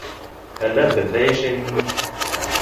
Әллә беҙҙә йәшәйһеңме?